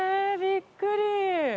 びっくり！